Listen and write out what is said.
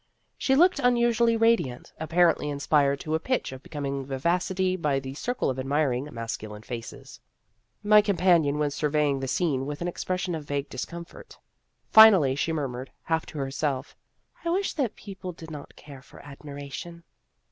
She looked un usually radiant apparently inspired to a pitch of becoming vivacity by the circle of admiring masculine faces. My companion was surveying the scene with an expression of vague discomfort. Finally she murmured, half to herself, " I wish that people did not care for admiration."